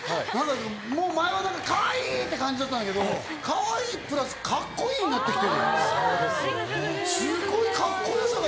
前はかわいい！って感じだったんだけど、かわいいプラスカッコいいになってきた。